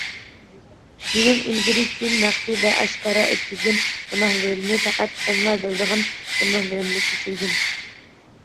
مېنىڭ ئىلگىرى- كېيىن، مەخپىي ۋە ئاشكارا ئۆتكۈزگەن گۇناھلىرىمنى، پەقەت سەنلا بىلىدىغان گۇناھلىرىمنى كەچۈرگىن.